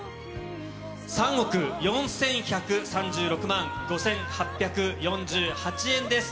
３億４１３６万５８４８円です。